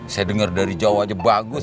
saya dengar dari jawa aja bagus